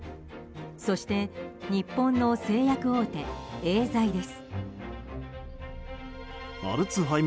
そして、日本の製薬大手エーザイです。